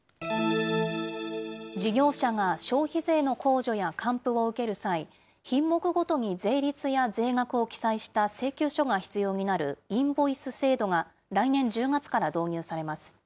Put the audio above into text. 事業者が消費税の控除や還付を受ける際、品目ごとに税率や税額を記載した請求書が必要になるインボイス制度が、来年１０月から導入されます。